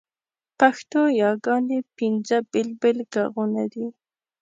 پښتو یاګاني پینځه بېل بېل ږغونه دي.